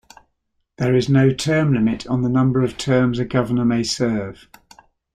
There is no term limit on the number of terms a governor may serve.